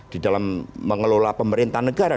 di dalam mengelola pemerintahan negara